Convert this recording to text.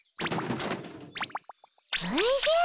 おじゃ！